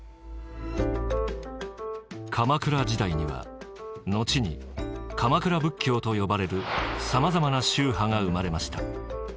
鎌倉時代には後に鎌倉仏教と呼ばれるさまざまな宗派が生まれました。